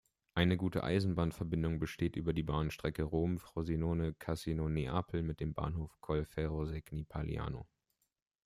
Eine gute Eisenbahnverbindung besteht über die Bahnstrecke Rom-Frosinone-Cassino-Neapel mit dem Bahnhof Colleferro-Segni-Paliano.